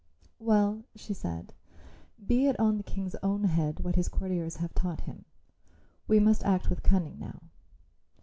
"Well," she said. "Be it on the King's own head what his courtiers have taught him. We must act with cunning now."